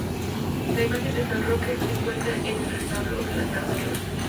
La imagen de San Roque se encuentra en el retablo del altar mayor.